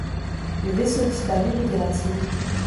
Le vaisseau disparu nous dira-t-il